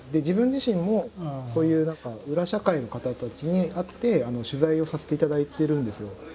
自分自身もそういう裏社会の方たちに会って取材をさせていただいてるんですよ。